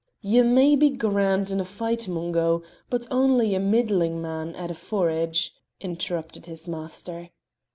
"Ye may be grand in a fight, Mungo, but only a middling man at forage," interrupted his master.